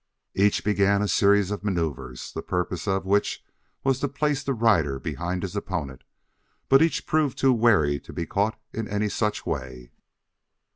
Each began a series of manoeuvres, the purpose of which was to place the rider behind his opponent, but each proved too wary to be caught in any such way.